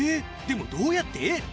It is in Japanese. でもどうやって？